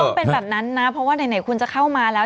เป็นแบบนั้นนะเพราะว่าไหนคุณจะเข้ามาแล้ว